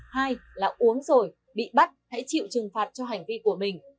hai là uống rồi bị bắt hãy chịu trừng phạt cho hành vi của mình